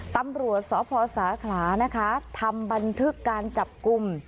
ตำรวจสพสาขลานะคะทำบันทึกการจับกลุ่ม